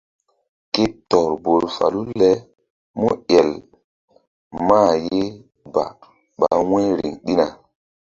Ke tɔr bol falu le múel mah ye ba ɓa wu̧y riŋ ɗina.